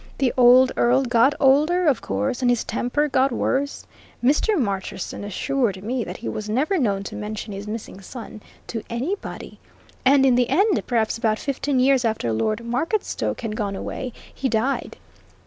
The old Earl got older, of course, and his temper got worse. Mr. Marcherson assured me that he was never known to mention his missing son to anybody. And in the end, perhaps about fifteen years after Lord Marketstoke had gone away, he died.